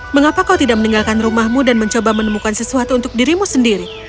mengapa kau tidak meninggalkan rumahmu dan mencoba menemukan sesuatu untuk dirimu sendiri